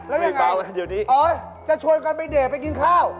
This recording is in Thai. แล้วยังไงอ๋อจะชวนกันไปเดทไปกินข้าว